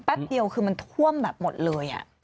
เดียวคือมันท่วมแบบหมดเลย